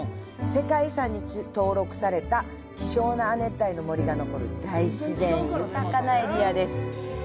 世界自然遺産に登録された希少な亜熱帯の森が残る自然豊かなエリアです。